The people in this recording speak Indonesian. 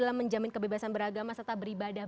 dalam menjamin kebebasan beragama serta beribadah